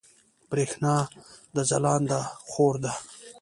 برېښنا د ځلاند خور ده